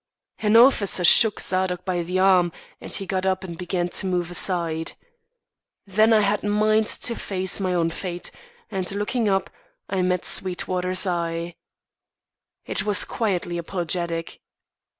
An officer shook Zadok by the arm and he got up and began to move aside. Then I had mind to face my own fate, and, looking up, I met Sweetwater's eye. It was quietly apologetic.